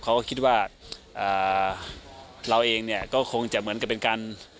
เขาก็คิดว่าเราเองเนี่ยก็คงจะเหมือนกับเป็นการ